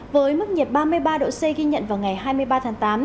với mức nhiệt ba mươi ba độ c ghi nhận vào ngày hai mươi ba tháng tám